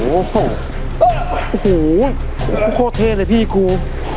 โอ้โหโคตรเท่เลยพี่ครู